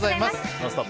「ノンストップ！」